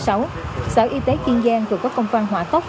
sở y tế kiên giang vừa có công văn hỏa tốc